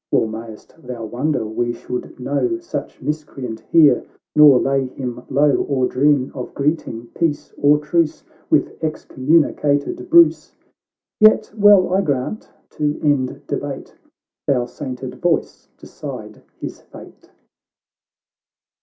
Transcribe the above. — Well mayst thou wonder we should know Such miscreant here, nor lay him low, Or dream of greeting, peace, or truce, With excommunicated Bruce ! Yet well I grant, to end debate, Thy sainted voice decide his fate."